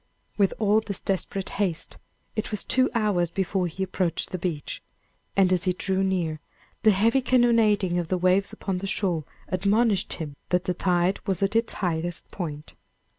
With all his desperate haste, it was two hours before he approached the beach. And as he drew near the heavy cannonading of the waves upon the shore admonished him that the tide was at its highest point.